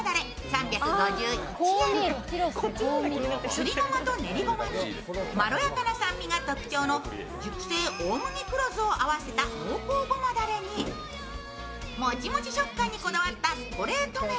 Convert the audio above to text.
すりごまと練りごまに、まろやかな酸味が特徴の熟成大麦黒酢を合わせた濃厚ごまだれにもちもち食感にこだわったストレート麺。